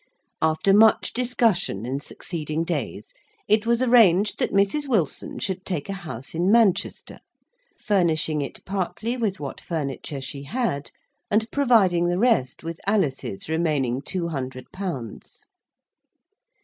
After much discussion in succeeding days, it was arranged that Mrs. Wilson should take a house in Manchester, furnishing it partly with what furniture she had, and providing the rest with Alice's remaining two hundred pounds.